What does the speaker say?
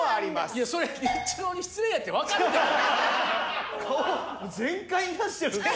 いやそれニッチローに失礼やって分かるって顔全開に出してるんですよ